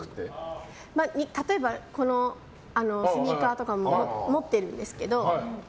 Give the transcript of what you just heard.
例えば、このスニーカーとかも持ってるんですけど。